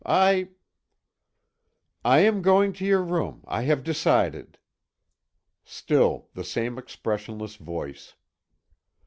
I " "I am going to your rooms. I have decided." Still the same expressionless voice.